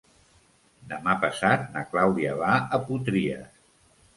Demà passat na Clàudia va a Potries.